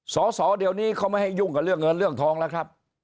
สอสอเดี๋ยวนี้เขาไม่ให้ยุ่งกับเรื่องเงินเรื่องทองแล้วครับ